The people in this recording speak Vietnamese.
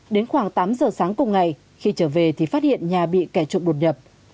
đến khoảng tám giờ sáng cùng ngày khi trở về thì phát hiện nhà bị kẻ trộm đột nhập